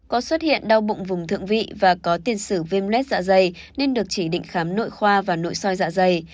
có xuất hiện đau bụng vùng thượng vị và có tiền sử viêm lết dạ dày nên được chỉ định khám nội khoa và nội soi dạ dày